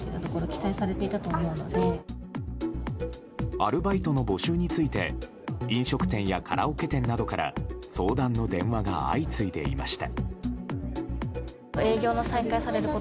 アルバイトの募集について飲食店やカラオケ店などから相談の電話が相次いでいました。